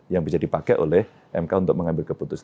yang bisa dipakai oleh mk untuk mengambil keputusan